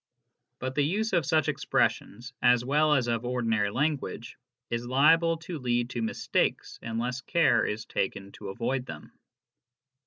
But the use of such expressions, as well as of ordinary language, is liable to lead to mistakes unless care is taken to avoid them.